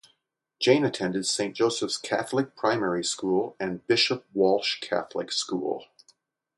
Jane attended Saint Joseph's Catholic Primary School and Bishop Walsh Catholic School.